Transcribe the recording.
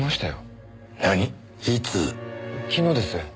昨日です。